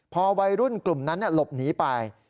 พอวัยรุ่นกลุ่มนั้นหลบหนีไป